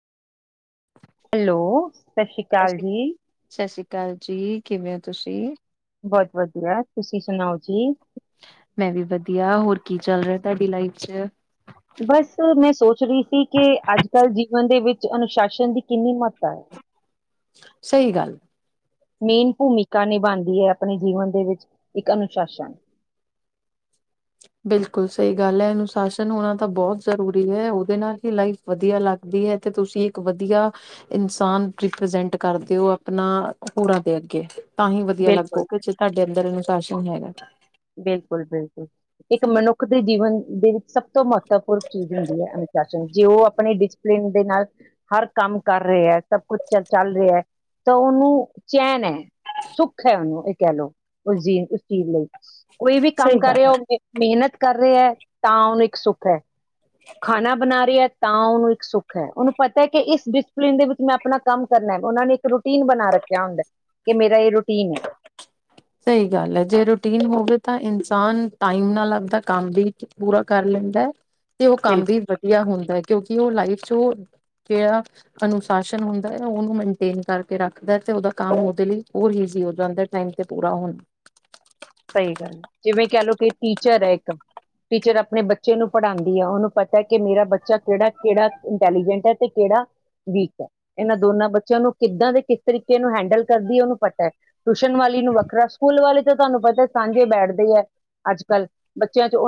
Hello ਸਤਿ ਸ਼੍ਰੀ ਅਕਾਲ ਸਤਿ ਜੀ ਸ਼੍ਰੀ ਸਤਿ ਸ਼੍ਰੀ ਅਕਾਲ ਜੀ ਕਿਵੇਂ ਹੋ ਤੁਸੀਂ ਬਹੁਤ ਵਧੀਆ ਤੁਸੀਂ ਸੁਣਾਓ ਜੀ? ਮੈਂ ਵੀ ਵਧੀਆ ਹੋਰ ਕੀ ਚੱਲ ਰਿਹਾ ਤੁਹਾਡੀ ਲਾਈਫ ਚ ਬਸ ਮੈਂ ਸੋਚ ਪੁੱਛ ਰਹੀ ਸੀ ਕਿ ਅੱਜ ਕੱਲ੍ਹ ਜੀਵਨ ਦੇ ਵਿੱਚ ਅਨੁਸ਼ਾਸਨ ਦੀ ਕਿੰਨੀ ਮਹੱਤਤਾ ਹੈ ਸਹੀ ਗੱਲ ਮੇਨ ਭੂਮਿਕਾ ਨਿਭਾਉਂਦੀ ਹੈ ਆਪਣੇ ਜੀਵਨ ਦੇ ਵਿੱਚ ਇੱਕ ਅਨੁਸ਼ਾਸਨ ਬਿਲਕੁਲ ਸਹੀ ਗੱਲ ਹੈ ਅਨੁਸ਼ਾਸਨ ਹੋਣਾ ਤਾਂ ਬਹੁਤ ਜ਼ਰੂਰੀ ਹੈ ਉਹਦੇ ਨਾਲ ਹੀ ਲਾਈਫ ਵਧੀਆ ਲੱਗਦੀ ਹੈ ਤੇ ਤੁਸੀਂ ਇੱਕ ਵਧੀਆ ਇਨਸਾਨ ਰੀਪ੍ਰਜੈਂਟ ਕਰਦੇ ਹੋ ਆਪਣਾ ਹੋਰਾਂ ਦੇ ਅੱਗੇ ਤਾਂ ਹੀ ਵਧੀਆ ਬਿਲਕੁਲ। ਲੱਗੋ ਕਿੇਹਾਡੇ ਅੰਦਰ ਅਨੁਸ ਨਹੀਂ ਹੈਗਾ ਾਂਕ ਬਿਲਕੁਲ ਬਿਲਕੁਲ ਇੱਕ ਮਨੁੱਖ ਦੇ ਜੀਵਨ ਦੇ ਸਭ ਤੋਂ ਮਹੱਤਵਪੂਰਨ ਚੀਜ਼ ਹੁੰਦੀ ਹੈ ਅਨੁਸ਼ਾਸਨ ਜੇ ਉਹ ਆਪਣੇ ਡਿਸਪਲਿਨ ਦੇ ਨਾਲ ਹਰ ਕੰਮ ਕਰ ਰਿਹਾ ਹੈ ਸਭ ਕੁਛ ਚ ਚੱਲ ਰਿਹਾ ਤਾਂ ਉਹਨੂੰ ਚੈਨ ਹੈ ਸੁੱਖ ਹੈ ਉਹਨੂੰ ਇਹ ਕਹਿ ਲਓ ਉਸ ਜੀ ਉਸ ਚੀਜ਼ ਲਈ ਕੋਈ ਵੀ ਕੰਮ ਸਹੀ ਕਰ ਗੱਲ ਰਿਹਾ ਹੋ ਉਹ ਮਿਹਨਤ ਕਰ ਰਹੇ ਹੈ ਤਾਂ ਉਹਨੂੰ ਇੱਕ ਸੁੱਖ ਹੈ ਖਾਣਾ ਬਣਾ ਰਿਹਾ ਤਾਂ ਉਹਨੂੰ ਇੱਕ ਸੁੱਖ ਹੈ ਉਹਨੂੰ ਪਤਾ ਕਿ ਇਸ ਡਿਸਪਲਿਨ ਦੇ ਵਿੱਚ ਮੈਂ ਆਪਣਾ ਕੰਮ ਕਰਨਾ ਉਹਨਾਂ ਨੇ ਇੱਕ ਰੂਟੀਨ ਬਣਾ ਰੱਖਿਆ ਹੁੰਦਾ ਕਿ ਮੇਰਾ ਇਹ ਰੂਟੀਨ ਹੈ ਸਹੀ ਗੱਲ ਹੈ ਜੇ ਰੂਟੀਨ ਹੋਵੇ ਤਾਂ ਇਨਸਾਨ ਟਾਈਮ ਨਾਲ ਲੱਭਦਾ ਕੰਮ ਵੀ ਪੂਰਾ ਕਰ ਲੈਂਦਾ ਹੈ ਤੇ ਉਹ ਹੈ ਕੰਮ ਵੀ ਵਧੀਆ ਹੁੰਦਾ ਹੈ ਕਿਉਂਕਿ ਉਹ ਲਾਈਫ ਚ ਉਹ ਜਿਹੜਾ ਅਨੁਸ਼ਾਸਨ ਹੁੰਦਾ ਹੈ ਉਹਨੂੰ ਮੇਨਟੇਨ ਕਰਕੇ ਰੱਖਦਾ ਤੇ ਉਹਦਾ ਕੰਮ ਉਹਦੇ ਲਈ ਹੋਰ ਜ਼ੀ ਹੋ ਜਾਂਦਾ ਟਾਈਮ ਤੇ ਪੂਰਾ ਹੁਣ ਸਹੀ ਗੱਲ ਜਿਵੇਂ ਕਹਿ ਲਓ ਕਿ ਟੀਚਰ ਹੈ ਇੱਕ ਟੀਚਰ ਆਪਣੇ ਬੱਚੇ ਨੂੰ ਪੜ੍ਹਾਉਂਦੀ ਹੈ ਉਹਨੂੰ ਪਤਾ ਕਿ ਮੇਰਾ ਬੱਚਾ ਕਿਹੜਾ ਕਿਹੜਾ ਇੰਟੈਲੀਜੈਂਟ ਹੈ ਤੇ ਕਿਹੜਾ ਵੀਕ ਹੈ ਇਹਨਾਂ ਦੋਨਾਂ ਬੱਚਿਆਂ ਨੂੰ ਕਿੱਦਾਂ ਦੇ ਕਿਸ ਤਰੀਕੇ ਨੂੰ ਹੈਂਡਲ ਕਰਦੀ ਹੈ ਉਹਨੂੰ ਪਤਾ ਹੈ ਟਿਊਸ਼ਨ ਵਾਲੀ ਨੂੰ ਵੱਖਰਾ ਸਕੂਲ ਵਾਲੇ ਤਾਂ ਤੁਹਾਨੂੰ ਪਤਾ ਸਾਂਝੇ ਬੈਠਦੇ ਹੈ ਅੱਜ ਕੱਲ੍ਹ ਬੱਚਿਆਂ ਚ ਉਹ